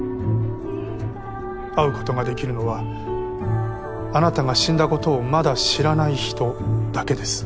会うことができるのはあなたが死んだことをまだ知らない人だけです。